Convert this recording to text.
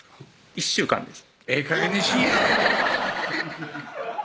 １週間です